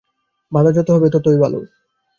বাধা যত হবে, ততই ভাল।